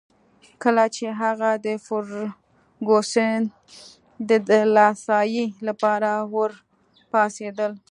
کله چي هغه د فرګوسن د دلاسايي لپاره ورپاڅېدل.